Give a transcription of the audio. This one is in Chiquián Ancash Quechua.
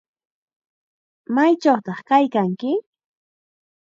¿Maychawtaq kaykanki?